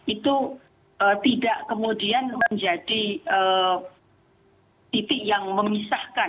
itu tidak kemudian menjadi titik yang memisahkan